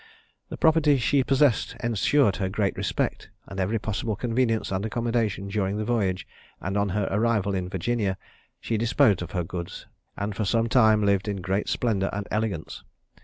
The property she possessed ensured her great respect, and every possible convenience and accommodation during the voyage; and on her arrival in Virginia, she disposed of her goods, and for some time lived in great splendour and elegance.